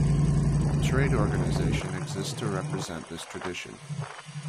A trade organisation exists to represent this tradition.